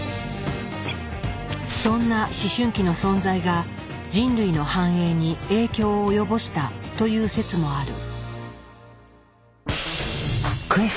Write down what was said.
そんな思春期の存在が人類の繁栄に影響を及ぼしたという説もある。